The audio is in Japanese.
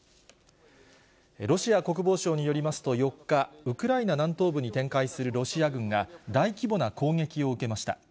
ロシア国防省によりますと４日、ウクライナ南東部に展開するロシア軍が、大規模な攻撃を受けました。